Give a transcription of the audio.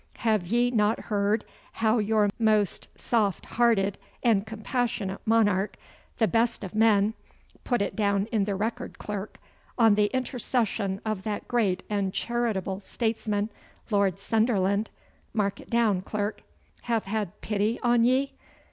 Have ye not heard how your most soft hearted and compassionate monarch, the best of men put it down in the record, clerk on the intercession of that great and charitable statesman, Lord Sunderland mark it down, clerk hath had pity on ye?